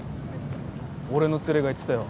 俺の連れが言ってたよ。